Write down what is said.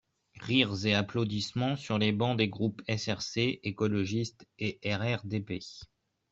(Rires et applaudissements sur les bancs des groupes SRC, écologiste et RRDP.